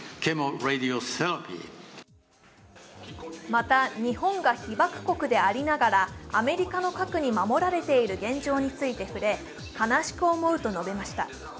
また、日本が被爆国でありながら、アメリカの核に守られている現状について触れ悲しく思うと述べました。